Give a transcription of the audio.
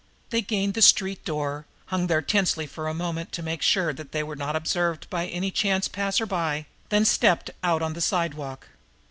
They gained the street door, hung there tensely for a moment to make sure they were not observed by any chance passer by, then stepped out on the sidewalk.